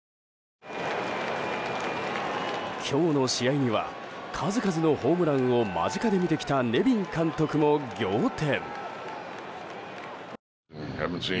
今日の試合は数々のホームランを間近で見てきたネビン監督も仰天。